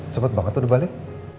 cepet banget udah balik